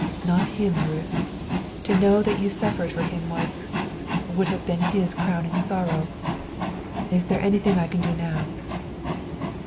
"Not him, Ruth; to know that you suffered for him was would have been his crowning sorrow. Is there anything I can do now?"